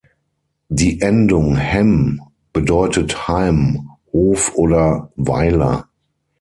Die Endung "„hem“" bedeutet "„Heim“", "„Hof“" oder "„Weiler“".